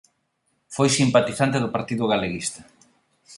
Foi simpatizante do Partido Galeguista.